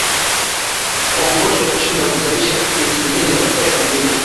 kongosho hushindwa kuzalisha insulini ya kutosha mwilini